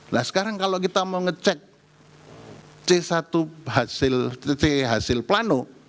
nah sekarang kalau kita mau ngecek c satu hasil c hasil plano